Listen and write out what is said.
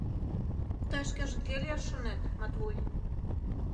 Тый шкеже кӧ лияш шонет, Матвуй?